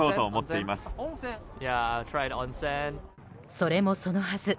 それもそのはず